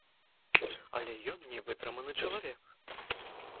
Але ён не вытрыманы чалавек.